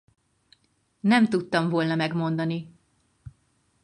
Nem tudtam volna megmondani.